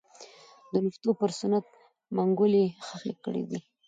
د نفتو پر صنعت منګولې خښې کړې دي.